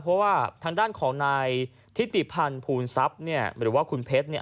เพราะว่าทางด้านของนายทิติพันธ์ภูลทรัพย์เนี่ยหรือว่าคุณเพชรเนี่ย